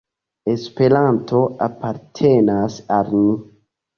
Esperanto apartenas al ni.